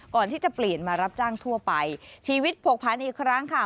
ก่อนที่จะเปลี่ยนมารับจ้างทั่วไปชีวิตผกพันอีกครั้งค่ะ